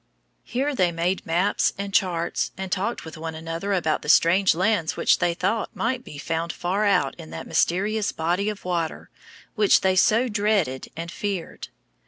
Here they made maps and charts, and talked with one another about the strange lands which they thought might be found far out in that mysterious body of water which they so dreaded and feared.